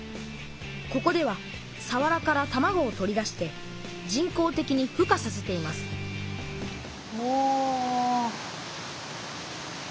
ここではさわらからたまごを取り出して人工的にふ化させていますおちっちゃい。